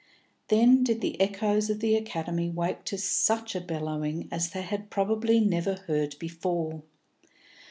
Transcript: Then did the echoes of the Academy wake to such a bellowing as they had probably never heard before.